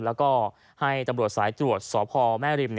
แล้วก็ให้ตำรวจสายตรวจสพแม่ริม